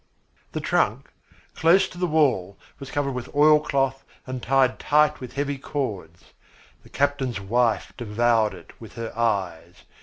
The trunk, close to the wall, was covered with oil cloth and tied tight with heavy cords. The captain's wife devoured it with her eyes.